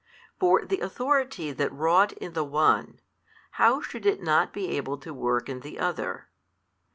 For the Authority that wrought in the one, how should it not be able to work in the other?